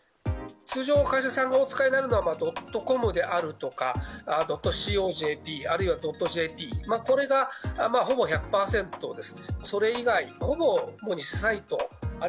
通常、会社さんがお使いになるのはドットコムであるとか、ドットシーオージェーピー、あるいはドットジェーピー、これがほぼ１００％です。